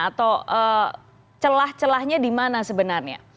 atau celah celahnya di mana sebenarnya